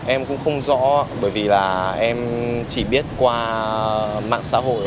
em cũng không rõ bởi vì là em chỉ biết qua mạng xã hội